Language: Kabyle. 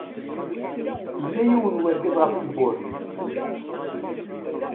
Yella yiwen n wergaz ɣef tewwurt.